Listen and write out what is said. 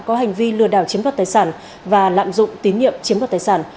có hành vi lừa đảo chiếm đoạt tài sản và lạm dụng tín nhiệm chiếm đoạt tài sản